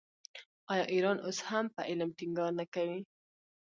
آیا ایران اوس هم په علم ټینګار نه کوي؟